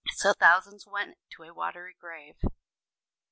So thousands went to a watery grave.